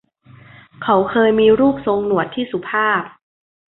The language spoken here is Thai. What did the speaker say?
เขาเคยมีรูปทรงหนวดที่สุภาพ